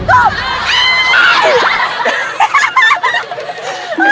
เจ๊ขอบป่ะ